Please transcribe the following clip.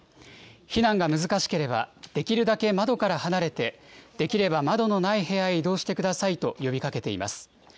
避難が難しければ、できるだけ窓から離れて、できれば窓のない部屋へ移動してくださいと、呼びかけています。